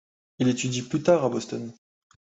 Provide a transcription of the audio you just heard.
Il étudie plus tard à Boston.